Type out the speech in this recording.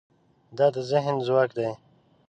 دا د ذهن ځواک دی.